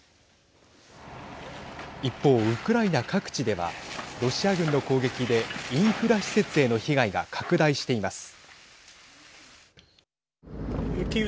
一方、ウクライナ各地ではロシア軍の攻撃でインフラ施設への被害が拡大しています。